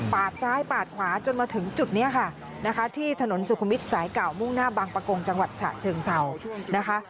ซ้ายปาดขวาจนมาถึงจุดนี้ค่ะนะคะที่ถนนสุขุมวิทย์สายเก่ามุ่งหน้าบางประกงจังหวัดฉะเชิงเศร้านะคะ